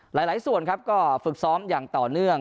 หลายส่วนครับก็ฝึกซ้อมอย่างต่อเนื่อง